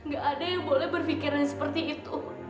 gak ada yang boleh berpikiran seperti itu